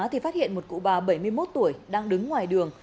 thì phát hiện một cụ bà bảy mươi một tuổi đang đứng ngoài đường